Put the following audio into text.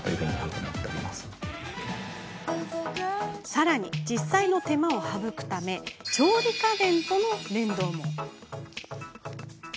さらに、実際の手間を省くため調理家電との連動も。